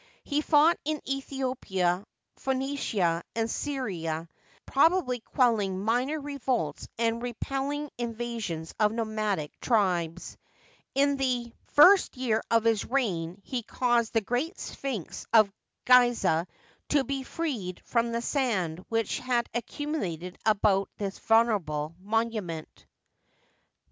He fought in Aethiopia, Phoenicia, and Syria, probably quelling minor revolts and repelling invasions of nomadic tribes. In the Digitized byCjOOQlC 78 HISTORY OF EGYPT, first year of his reign he caused the great Sphinx of Gizeh to be freed from the sand which had accumulated about this venerable monument.